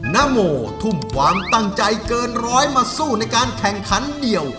นโมทุ่มความตั้งใจเกินร้อยมาสู้ในการแข่งขันเดียว